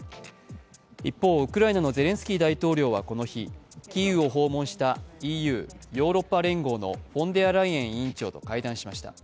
一方、ウクライナのゼレンスキー大統領はこの日キーウを訪問したＥＵ＝ヨーロッパ連合のフォンデアライエン委員長と会談しました。